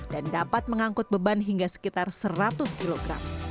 dan dapat mengangkut beban hingga sekitar seratus kg